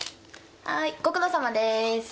はーいご苦労さまでーす。